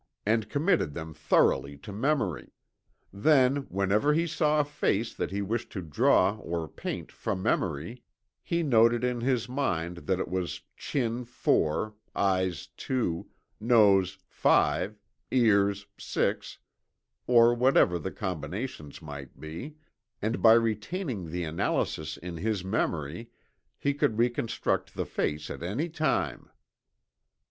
and committed them thoroughly to memory; then, whenever he saw a face that he wished to draw or paint from memory, he noted in his mind that it was chin 4, eyes 2, nose 5, ears 6, or whatever the combinations might be and by retaining the analysis in his memory he could reconstruct the face at any time."